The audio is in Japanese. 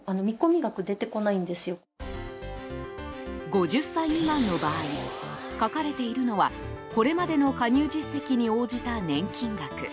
５０歳未満の場合書かれているのはこれまでの加入実績に応じた年金額。